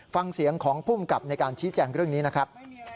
ฟังเสียงของภูมิกับในการชี้แจงเรื่องนี้นะครับ